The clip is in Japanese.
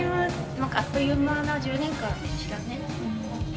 なんかあっという間の１０年間でしたね。